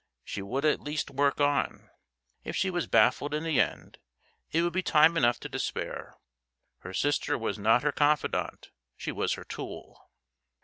She would at least work on; if she was baffled in the end, it would be time enough to despair. Her sister was not her confidante, she was her tool.